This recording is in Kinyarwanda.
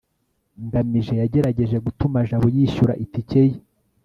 ngamije yagerageje gutuma jabo yishyura itike ye